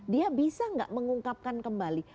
dia bisa nggak mengungkapkan kembali